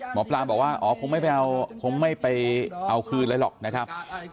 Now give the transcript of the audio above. หมอปลาบอกว่าอ๋อคงไม่ไปเอาคืนเลยหรอกนะครับ